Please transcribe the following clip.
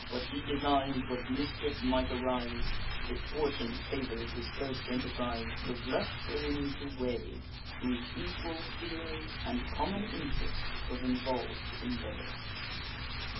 What he design'd, what mischief might arise, If fortune favour'd his first enterprise, Was left for him to weigh, whose equal fears, And common interest, was involv'd in theirs."